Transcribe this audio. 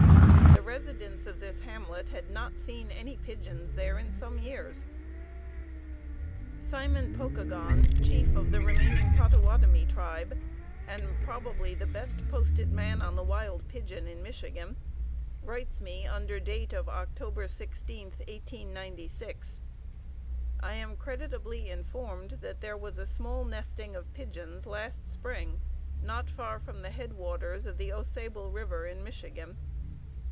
The residents of this hamlet had not seen any pigeons there before in some years. Simon Pokagon, Chief of the remaining Pottawattamie tribe, and probably the best posted man on the wild pigeon in Michigan, writes me under date of October 16, 1896: "I am creditably informed that there was a small nesting of pigeons last spring not far from the headwaters of the Au Sable River in Michigan."